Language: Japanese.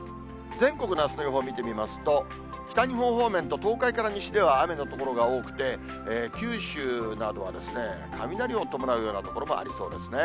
全国のあすの予報を見てみますと、北日本方面と東海から西では、雨の所が多くて、九州などは雷を伴うような所もありそうですね。